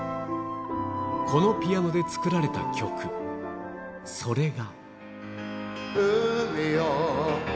このピアノで作られた曲、それが。